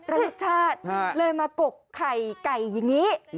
รสชาติเลยมากกไข่ไก่อย่างนี้